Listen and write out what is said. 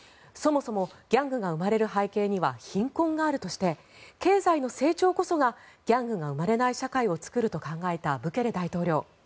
そもそもギャングが生まれる背景には貧困があるとして経済の成長こそがギャングが生まれない社会を作ると考えたブケレ大統領。